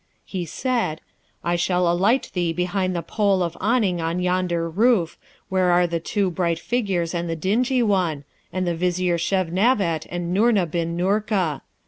He said, 'I shall alight thee behind the pole of awning on yonder roof, where are the two bright figures and the dingy one, and the Vizier Feshnavat and Noorna bin Noorka.